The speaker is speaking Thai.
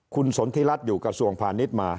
คุณสนทิรัฐอยู่กระทรวงพาณิชย์มา